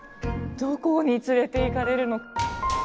どこに連れていかれるの？